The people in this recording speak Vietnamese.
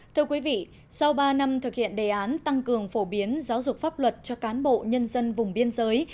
thưa quý vị sau ba năm thực hiện đề án tăng cường phổ biến giáo dục pháp luật cho cán bộ nhân dân vùng biên giới